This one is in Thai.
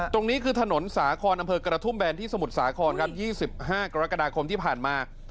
ตรงนี้คือถนนสาคอนอำเภอกระทุ่มแบนที่สมุทรสาครครับ๒๕กรกฎาคมที่ผ่านมา